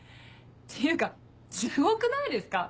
っていうかすごくないですか？